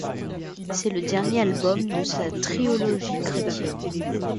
C'est le dernier album de sa triologie chrétienne.